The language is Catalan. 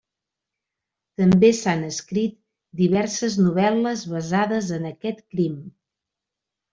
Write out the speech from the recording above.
També s'han escrit diverses novel·les basades en aquest crim.